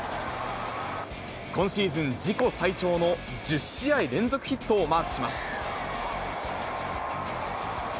今シーズン自己最長の１０試合連続ヒットをマークします。